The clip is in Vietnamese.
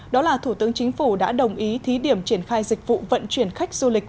đó là thủ tướng chính phủ đã đồng ý thí điểm triển khai dịch vụ vận chuyển khách du lịch